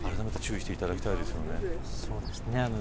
あらためて注意していただきたいですね。